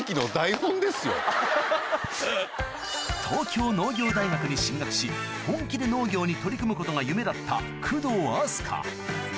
東京農業大学に進学し本気で農業に取り組むことが夢だった工藤阿須加